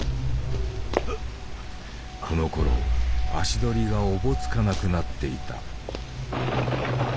このころ足取りがおぼつかなくなっていた。